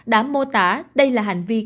đã mô tả đây là hành vi